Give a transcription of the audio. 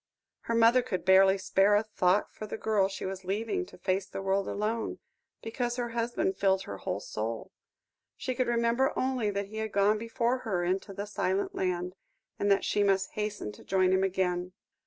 Her mother could barely spare a thought for the girl she was leaving to face the world alone, because her husband filled her whole soul; she could remember only that he had gone before her into the silent land, and that she must hasten to join him again.